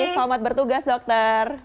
selamat bertugas dokter